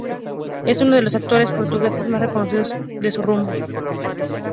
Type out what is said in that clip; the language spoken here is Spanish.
Es uno de los actores portugueses más reconocidos de su rubro.